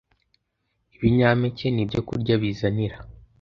Ibinyampeke ni ibyokurya bizanira